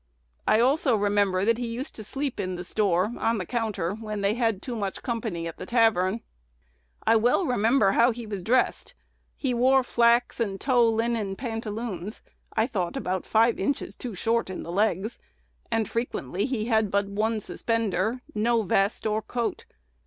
I also remember that he used to sleep in the store, on the counter, when they had too much company at the tavern. "I well remember how he was dressed: he wore flax and tow linen pantaloons, I thought about five inches too short in the legs, and frequently he had but one suspender, no vest or coat.